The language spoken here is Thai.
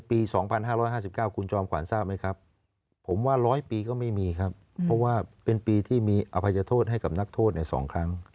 เพราะว่าเป็นปีที่มีอภัยโทษให้กับนักโทษเนี่ยสองครั้ง